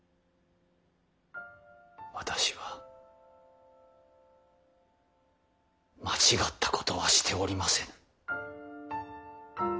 私は間違ったことはしておりませぬ。